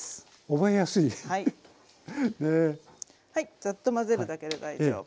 ザッと混ぜるだけで大丈夫。